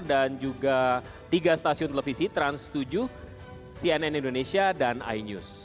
dan juga tiga stasiun televisi trans tujuh cnn indonesia dan ainews